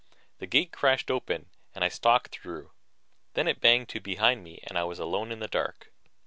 The gate crashed open and I stalked through; then it banged to behind me and I was alone in the dark.